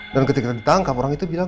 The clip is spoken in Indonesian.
dan ketika ditangkap orang itu bilang